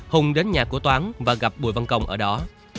hùng đến nhà của toán và gặp bùi văn công ở đó